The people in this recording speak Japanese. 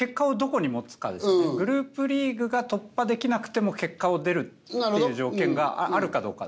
グループリーグが突破できなくても結果を出るっていう条件があるかどうか。